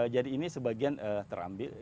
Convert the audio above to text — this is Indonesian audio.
jadi ini sebagian terambil